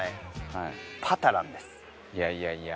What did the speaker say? いやいやいや。